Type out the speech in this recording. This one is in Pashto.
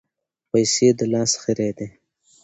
پیسې د لاس خیرې دي.